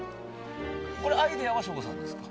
アイデアは省吾さんですか？